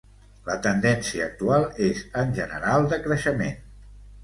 La tendència actual és, en general, de creixement.